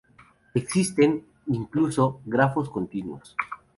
Existen, incluso, grafos continuos.